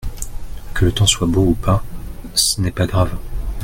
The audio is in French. Que le temps soit beau ou pas ce n’est pas grave.